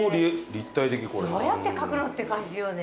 どうやって描くのって感じよね。